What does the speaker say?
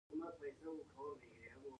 د پکتیکا په اورګون کې د څه شي نښې دي؟